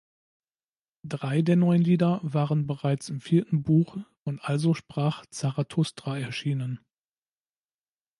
Drei der neun Lieder waren bereits im vierten Buch von "Also sprach Zarathustra" erschienen.